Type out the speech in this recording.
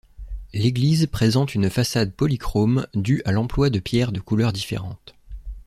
L'église présente une façade polychrome due à l'emploi de pierres de couleurs différentes.